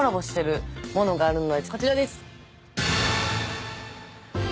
こちらです。